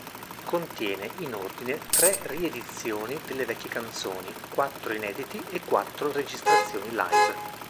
Contiene, in ordine, tre ri-edizioni delle vecchie canzoni, quattro inediti e quattro registrazioni live.